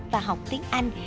và học tiếng anh